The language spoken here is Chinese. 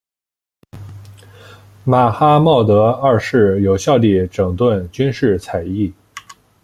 马哈茂德二世有效地整顿军事采邑。